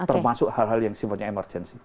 termasuk hal hal yang simpulnya emergensi